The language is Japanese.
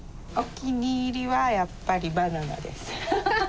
お気に入りはやっぱりバナナです。